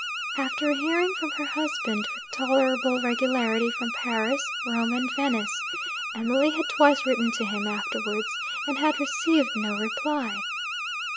After hearing from her husband with tolerable regularity from Paris, Rome, and Venice, Emily had twice written to him afterwards and had received no reply.